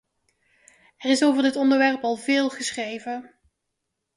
Er is over dit onderwerp al veel geschreven.